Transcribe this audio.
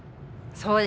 そうですね。